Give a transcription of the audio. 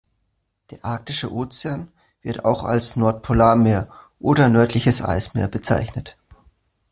Der Arktische Ozean, wird auch als Nordpolarmeer oder nördliches Eismeer bezeichnet.